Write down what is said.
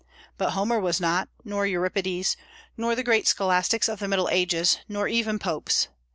But Homer was not, nor Euripides, nor the great scholastics of the Middle Ages, nor even popes.